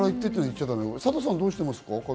サトさん、どうしてますか？